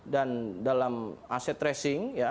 dan dalam aset tracing